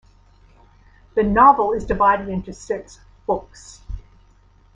The novel is divided into six "books".